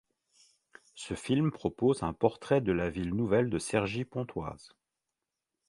Ce film propose un portrait de la ville nouvelle de Cergy-Pontoise.